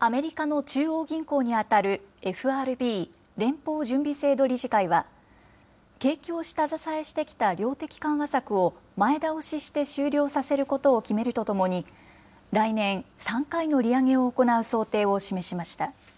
アメリカの中央銀行に当たるＦＲＢ・連邦準備制度理事会は、景気を下支えしてきた量的緩和策を前倒しして終了させることを決めるとともに、来年、３回の利上げを行う想定を示しました。